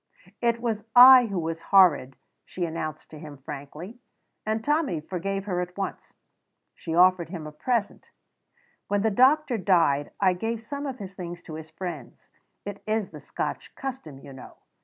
"It was I who was horrid," she announced to him frankly, and Tommy forgave her at once. She offered him a present: "When the doctor died I gave some of his things to his friends; it is the Scotch custom, you know.